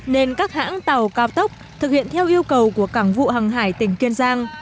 nên các hãng tàu cao tốc thực hiện theo yêu cầu của cảng vụ hàng hải tỉnh kiên giang